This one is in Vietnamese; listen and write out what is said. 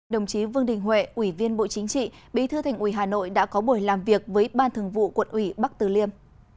đồng chí vương đình huệ ủy viên bộ chính trị bí thư thành ủy hà nội đã có buổi làm việc với ban thường vụ quận ủy bắc từ liêm